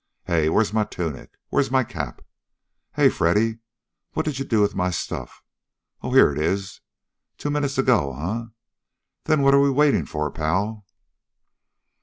Hey! Where's my tunic? Where's my cap? Hey, Freddy! What did you do with my stuff? Oh! Here it is. Two minutes to go, huh? Then what are we waiting for, pal?"